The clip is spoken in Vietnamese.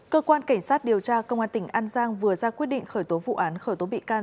cơ quan cảnh sát điều tra công an tỉnh an giang vừa ra quyết định khởi tố vụ án khởi tố bị can